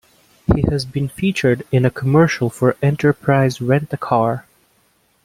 He has been featured in a commercial for Enterprise Rent-A-Car.